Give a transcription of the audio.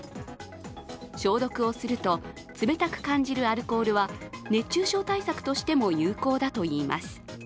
消毒をすると、冷たく感じるアルコールは熱中症対策としても有効だといいます。